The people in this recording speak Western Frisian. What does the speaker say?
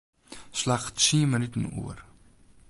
Slach tsien minuten oer.